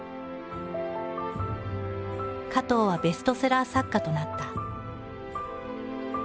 加藤はベストセラー作家となった。